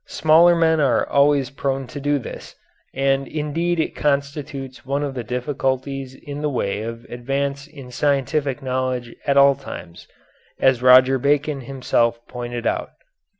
Smaller men are always prone to do this, and indeed it constitutes one of the difficulties in the way of advance in scientific knowledge at all times, as Roger Bacon himself pointed out.